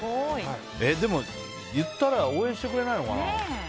でも、言ったら応援してくれないのかな。